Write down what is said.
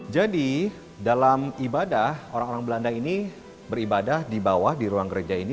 jadi dalam ibadah orang orang belanda ini beribadah di bawah di ruang gereja ini